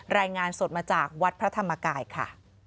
รายงานสดมาจากวัดพระธรรมกายค่ะ